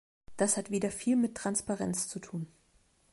Das hat wieder viel mit Transparenz zu tun.